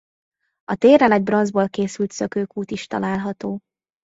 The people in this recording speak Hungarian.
A téren egy bronzból készült szökőkút is található.